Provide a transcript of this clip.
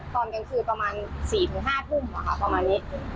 ตอนกลางคืนประมาณ๔๕ทุ่มค่ะประมาณนี้